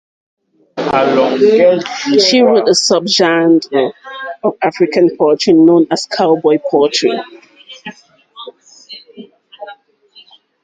He wrote a subgenre of American poetry known as Cowboy Poetry.